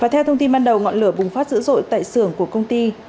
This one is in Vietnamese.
theo thông tin ban đầu ngọn lửa bùng phát dữ dội tại xưởng của công ty